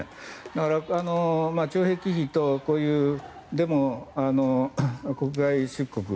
だから懲役費とこういうデモや国外脱出